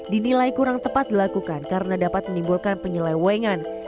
dinilai kurang tepat dilakukan karena dapat menimbulkan penyelewengan